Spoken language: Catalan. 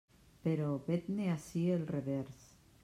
Però vet-ne ací el revers.